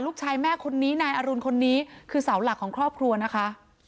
ลูกชายแม่คนนี้นายอรุณคนนี้คือเสาหลักของครอบครัวนะคะ